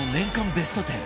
ベスト１０